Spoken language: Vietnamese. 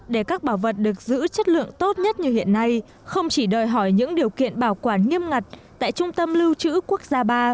để các bảo vật được giữ chất lượng tốt nhất như hiện nay không chỉ đòi hỏi những điều kiện bảo quản nghiêm ngặt tại trung tâm lưu trữ quốc gia ba